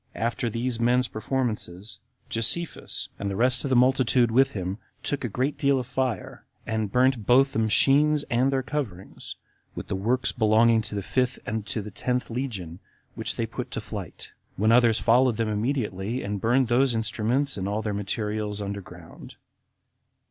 22. After these men's performances, Josephus, and the rest of the multitude with him, took a great deal of fire, and burnt both the machines and their coverings, with the works belonging to the fifth and to the tenth legion, which they put to flight; when others followed them immediately, and buried those instruments and all their materials under ground.